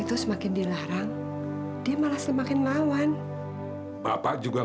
bukan sama kamu jul